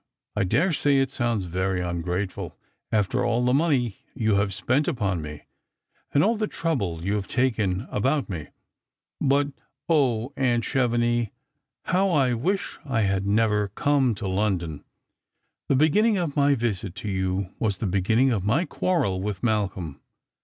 I daresay it sounds very ungrateful, after all the money you have spent upon me, and all the trouble you have taken about me; but 0, aunt Chevenix, how I wish Iliad never come to London ! The beginning of my visit to you was the beginning of my quarrel with Malcolm.